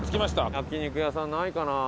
焼肉屋さんないかな？